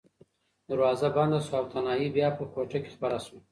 دروازه بنده شوه او تنهایي بیا په کوټه کې خپره شوه.